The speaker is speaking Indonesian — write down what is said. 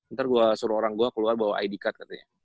ntar gua suruh orang gua keluar bawa id card katanya